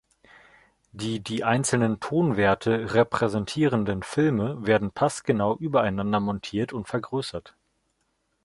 Die die einzelnen Tonwerte repräsentierenden Filme werden passgenau übereinander montiert und vergrößert.